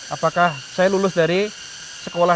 apakah saya lulus dari sekolah